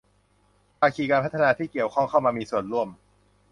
ภาคีการพัฒนาที่เกี่ยวข้องเข้ามามีส่วนร่วม